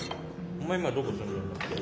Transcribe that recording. お前今どこ住んでんだっけ？